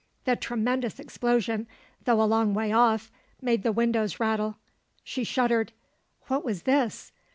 The tremendous explosion, though a long way off, made the windows rattle. She shuddered. What was this?